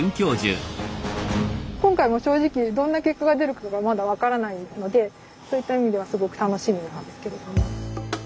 今回もう正直どんな結果が出るかがまだ分からないのでそういった意味ではすごく楽しみなんですけれども。